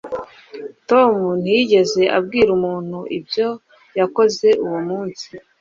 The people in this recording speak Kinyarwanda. Tom ntiyigeze abwira umuntu ibyo yakoze uwo munsi.